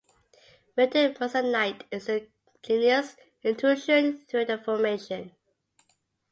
Milton Monzonite is an igneous intrusion through the formation.